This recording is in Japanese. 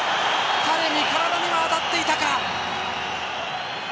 タレミ、体には当たっていたか。